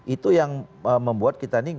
itu yang membuat kita ini